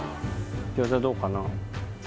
餃子どうかな？